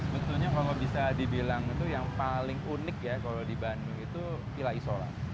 sebetulnya kalau bisa dibilang itu yang paling unik ya kalau di bandung itu vila isola